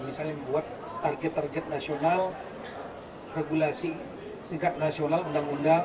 misalnya membuat target target nasional regulasi tingkat nasional undang undang